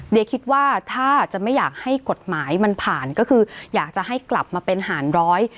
เดี๋ยวคิดว่าถ้าจะไม่อยากให้กฎหมายมันผ่านก็คืออยากจะให้กลับมาเป็นหารร้อย